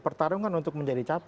pertarungan untuk menjadi capres